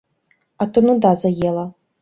А то нуда заела.